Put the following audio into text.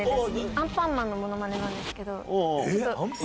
アンパンマンのものまねなんですえ？